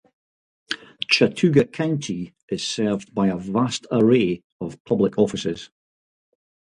Chattooga County is served by a vast array of public offices.